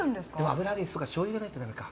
油揚げしょうゆがないと駄目か。